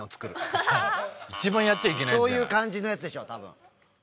そういう感じのやつでしょたぶん。